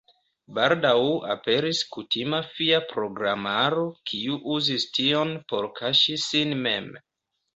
Baldaŭ aperis kutima fia programaro, kiu uzis tion por kaŝi sin mem.